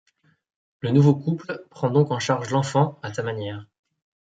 Le nouveau couple prend donc en charge l'enfant, à sa manière.